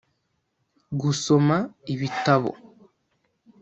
Gusoma ibitabo